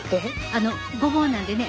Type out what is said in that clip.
あのごぼうなんでね